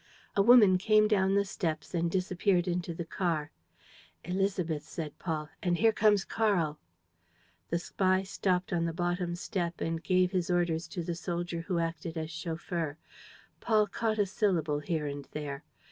A woman came down the steps and disappeared inside the car. "Élisabeth," said Paul. "And here comes Karl. ..." The spy stopped on the bottom step and gave his orders to the soldier who acted as chauffeur. Paul caught a syllable here and there.